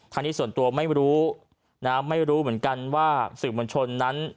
ทางนี้ส่วนตัวไม่รู้นะไม่รู้เหมือนกันว่าสื่อมวลชนนั้น